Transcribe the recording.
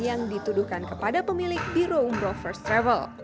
yang dituduhkan kepada pemilik biru umroh first travel